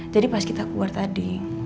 jadi pas kita keluar tadi